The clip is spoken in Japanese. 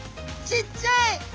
ちっちゃい！